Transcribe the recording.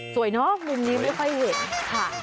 เนาะมุมนี้ไม่ค่อยเห็นค่ะ